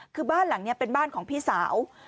คือบ้านหลังนี้เป็นบ้านของพี่สาว